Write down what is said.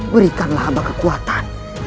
berikanlah abah kekuatan